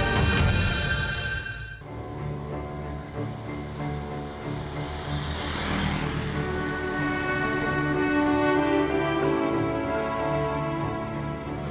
kami juga memiliki kekuasaan yang memiliki kekuasaan